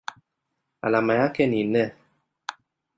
Alama yake ni Ne.